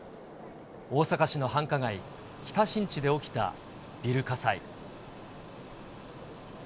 大阪市の繁華街、北新地で起きたビル火災。